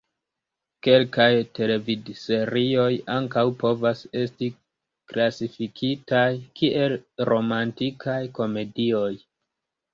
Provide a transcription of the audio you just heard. Kelkaj televidserioj ankaŭ povas esti klasifikitaj kiel romantikaj komedioj.